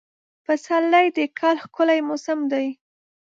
پسرلی د کال ښکلی موسم دی.